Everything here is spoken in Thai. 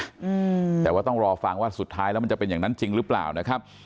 อืมแต่ว่าต้องรอฟังว่าสุดท้ายแล้วมันจะเป็นอย่างนั้นจริงหรือเปล่านะครับ